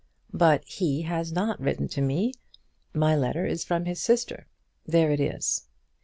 "But he has not written to me. My letter is from his sister. There it is."